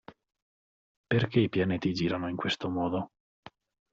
Perché i pianeti girano in questo modo?